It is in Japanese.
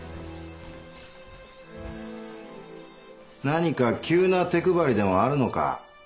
何か急な手配りでもあるのか？